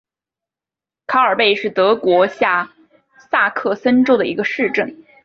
卡尔贝是德国下萨克森州的一个市镇。